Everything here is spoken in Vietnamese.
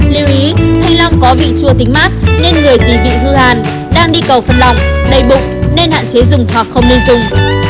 liêu ý thanh long có vị chua tính mát nên người gì vị hư hàn đang đi cầu phân lọc đầy bụng nên hạn chế dùng hoặc không nên dùng